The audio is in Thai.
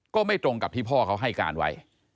ก็ไม่ตรงกับที่พ่อเขาให้การไว้